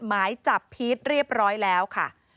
หมายจับพีชเรียบร้อยแล้วค่ะ